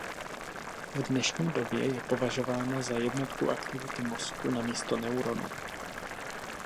V dnešní době je považována za "jednotku" aktivity mozku namísto neuronu.